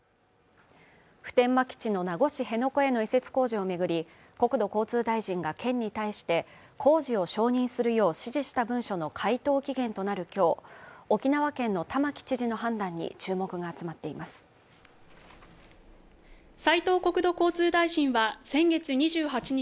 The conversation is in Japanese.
普天間基地の名護市辺野古への移設工事をめぐり国土交通大臣が県に対して工事を承認するよう指示した文書の回答期限となるきょう沖縄県の玉城知事の判断に注目が集まっています斉藤国土交通大臣は先月２８日